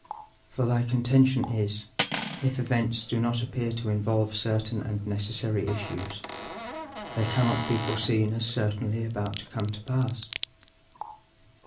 For thy contention is, if events do not appear to involve certain and necessary issues, they cannot be foreseen as certainly about to come to pass.